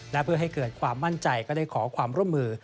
และเพื่อให้เกิดความมั่นใจก็ได้ขอความร่วมมือ